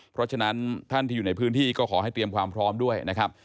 เพราะฉะนั้นท่านที่อยู่ในพื้นที่ก็ขอให้เตรียมความพร้อมด้วยนะครับ